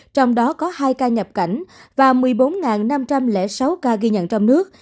trong đó có hai ca nhập cảnh và một mươi bốn năm trăm linh sáu ca ghi nhận trong nước